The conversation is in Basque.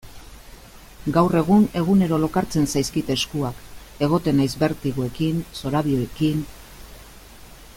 Gaur egun egunero lokartzen zaizkit eskuak, egoten naiz bertigoekin, zorabioekin...